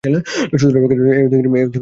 শূদ্রদের ক্ষেত্রে এ অধিকার জন্মে তেরোদিন পরে।